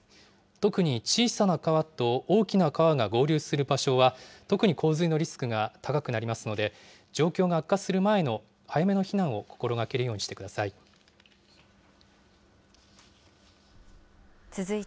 特に小さな川と大きな川が合流する場所は、特に洪水のリスクが高くなりますので、状況が悪化する前の、早めの避難を心がけるようにしてください。